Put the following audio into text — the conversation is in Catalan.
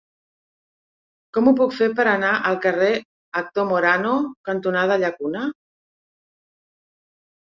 Com ho puc fer per anar al carrer Actor Morano cantonada Llacuna?